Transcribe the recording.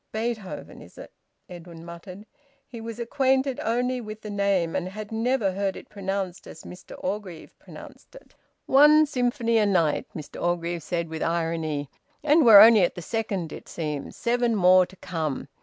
"Beethoven, is it?" Edwin muttered. He was acquainted only with the name, and had never heard it pronounced as Mr Orgreave pronounced it. "One symphony a night!" Mr Orgreave said, with irony. "And we're only at the second, it seems. Seven more to come.